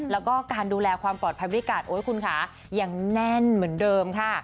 แล้วก็การดูแลความปลอดภัยบริการโอ๊ยคุณค่ะยังแน่นเหมือนเดิมค่ะ